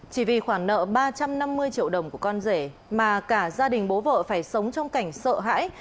chỉ vì khoản nợ ba trăm năm mươi triệu đồng của con rể mà cả gia đình bố vợ phải sống trong cảnh sợ hãi